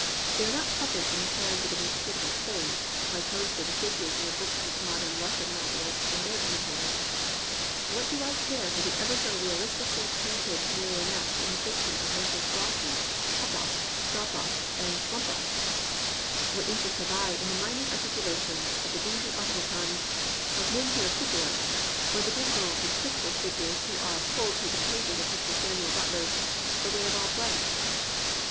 They are not puppets in the hands of an inscrutable Fate, like most of the figures in the books of the modern Rus sian novelists and their imitators. What do I care for the ever so realistically painted marionettes in the fiction of Messrs. Gawky, Popoff, Dropoff, and Slumpoff.^ What interest have I in the minute ar ticulations of the dingy automatons of Mijnheer Couperus, or the dismal, despicable figures who are pulled through the pages of Mr. Samuel Butler's The Way of All Flesh